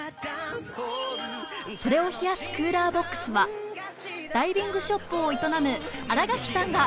それを冷やすクーラーボックスはダイビングショップを営む新垣さんが！